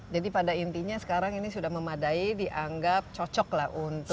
jadi pada intinya sekarang ini sudah memadai dianggap cocoklah untuk